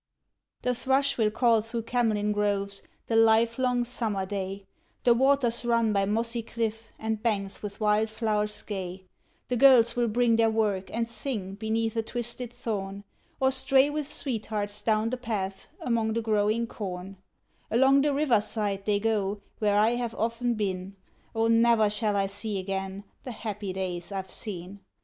The thrush will call through Camlin groves the live long summer day; The waters run by mossy cliff, and banks with wild flowers gay; The girls will bring their work and sing beneath a twisted thorn, Or stray with sweethearts down the path among the growing corn; Along the river side they go, where I have often been, Oh, never shall I see again the happy days I've seen!